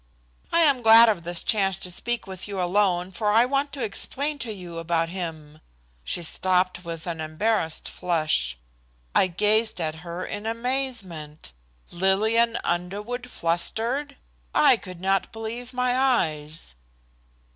"I am glad of this chance to speak with you alone, for I want to explain to you about him." She stopped with an embarrassed flush. I gazed at her in amazement. Lillian Underwood flustered! I could not believe my eyes.